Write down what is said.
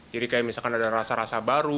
jadi kayak misalkan ada rasa rasa baru